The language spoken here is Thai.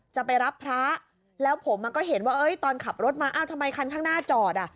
จะไปรับพระแล้วผมก็เห็นว่าตอนขับรถมาเอ้าทำไมคันข้างหน้าจอดอ่ะ